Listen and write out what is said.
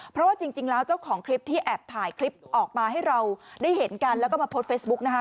เพราะว่าจริงแล้วเจ้าของคลิปที่แอบถ่ายคลิปออกมาให้เราได้เห็นกันแล้วก็มาโพสต์เฟซบุ๊กนะคะ